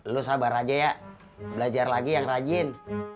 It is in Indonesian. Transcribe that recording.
lu sabar aja ya belajar lagi yang rajin